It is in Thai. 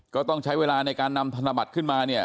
ก็ต้องใช้เวลาในการนำธนบัตรขึ้นมาเนี่ย